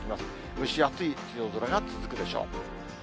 蒸し暑い梅雨空が続くでしょう。